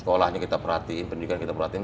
sekolahnya kita perhatiin pendidikan kita perhatiin